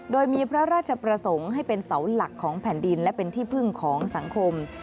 โดยมีพระราชประสงค์ให้เป็นเสาหลักของแผ่นดินและเป็นที่พึ่งของสังคม